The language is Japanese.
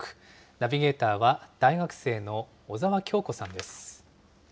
ナビゲーターは、大学生の小澤杏子さんです。